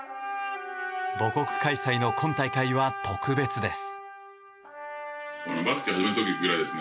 母国開催の今大会は特別です。